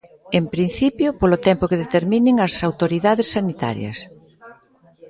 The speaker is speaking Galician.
En principio polo tempo que determinen as autoridades sanitarias.